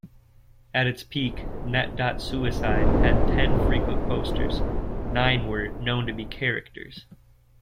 At its peak, "net.suicide" had ten frequent posters; nine were "known to be characters.